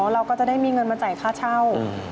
เราก็จะได้มีเงินมาจ่ายค่าเช่า